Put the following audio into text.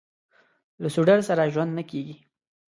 له سوډرسره ژوند نه کېږي.